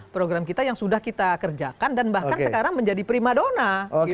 program kita yang sudah kita kerjakan dan bahkan sekarang menjadi prima dona